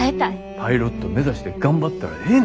パイロット目指して頑張ったらええね。